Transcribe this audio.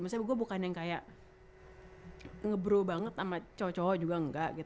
maksudnya gue bukan yang kayak nge bro banget sama cowok cowok juga enggak gitu